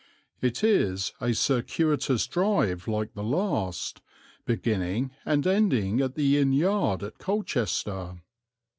It is a circuitous drive like the last, beginning and ending at the inn yard at Colchester.